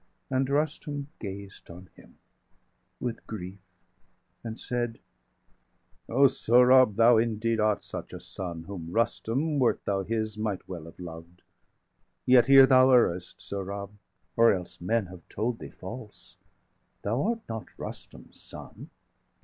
And Rustum gazed on him with grief, and said: 640 "O Sohrab, thou indeed art such a son Whom Rustum, wert thou his, might well have loved. Yet here thou errest, Sohrab, or else men Have told thee false thou art not Rustum's son.